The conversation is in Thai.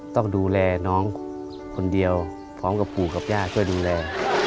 ต้องดูแลน้องคนเดียวพร้อมกับปู่กับย่าช่วยดูแล